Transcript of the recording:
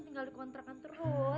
tinggal dikontrakan terus